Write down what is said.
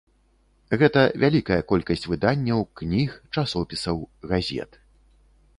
Гэта вялікая колькасць выданняў, кніг, часопісаў, газет.